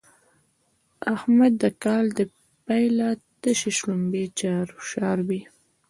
احمد د کال له پيله تشې شلومبې شاربي.